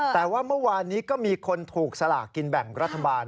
แต่ว่าเมื่อวานนี้ก็มีคนถูกสลากกินแบ่งรัฐบาล